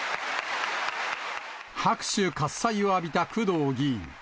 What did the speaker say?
拍手喝采を浴びた工藤議員。